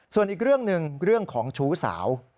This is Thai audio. ส่วนอีกเรื่องหนึ่งเรื่องของชู้สาว